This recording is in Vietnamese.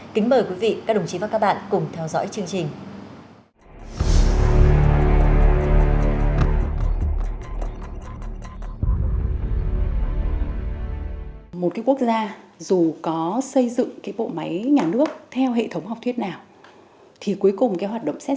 kính mời quý vị các đồng chí và các bạn cùng theo dõi chương trình